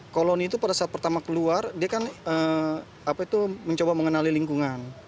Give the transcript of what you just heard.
koloni itu pada saat pertama keluar dia kan mencoba mengenali lingkungan